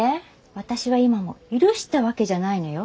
私は今も許したわけじゃないのよ。